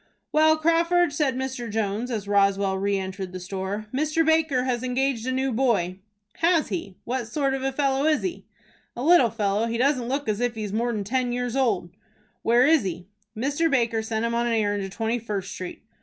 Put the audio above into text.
"Well, Crawford," said Mr. Jones, as Roswell re entered the store, "Mr. Baker has engaged a new boy." "Has he? What sort of a fellow is he?" "A little fellow. He doesn't look as if he was more than ten years old." "Where is he?" "Mr. Baker sent him on an errand to Twenty first Street."